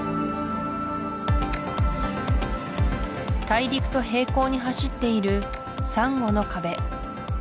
大陸と平行に走っているサンゴの壁